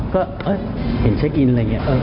ก็เห็นเช็คอินอะไรอย่างนี้